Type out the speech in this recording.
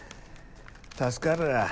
助かるわ。